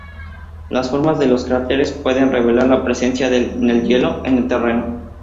Las formas de los cráteres pueden revelar la presencia de hielo en el terreno.